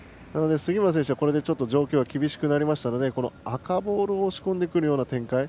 杉村選手がちょっと状況が厳しくなりましたので赤ボールを押し込んでいくような展開。